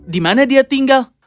di mana dia tinggal